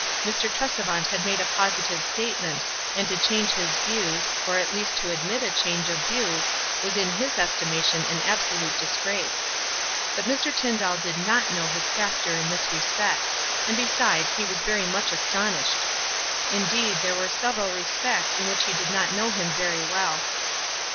Mr. Tresevant had made a positive statement, and to change his views, or at least 254 WISE AKD OTHERWISE. to admit a change of views, was in his estima tion an absolute disgrace. But Mr. Tyndall did not know his pastor in this respect, and besides, he was very much astonished. Indeed, there were several respects in which he did not know him very well.